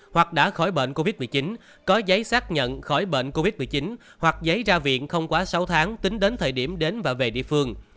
hoặc đã khỏi bệnh covid một mươi chín có giấy xác nhận khỏi bệnh covid một mươi chín hoặc giấy ra viện không quá sáu tháng tính đến thời điểm đến và về địa phương